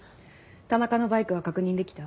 田中のバイクは確認できた？